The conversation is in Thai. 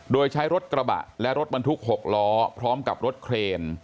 โดยใช้รถกระบะและรถบรรทุก๖ล้อพร้อมกับรถเครน